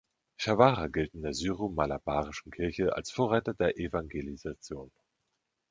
Chavara gilt in der Syro-malabarischen Kirche als Vorreiter der Evangelisation.